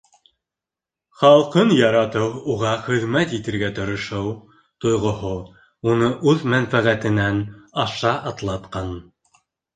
Халҡын яратыу, уға хеҙмәт итергә тырышыу тойғоһо уны үҙ мәнфәғәтенән аша атлатҡан!.